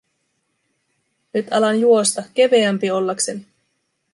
Nyt alan juosta, keveämpi ollakseni.